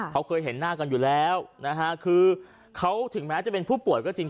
เขาเคยเห็นหน้ากันอยู่แล้วนะฮะคือเขาถึงแม้จะเป็นผู้ป่วยก็จริง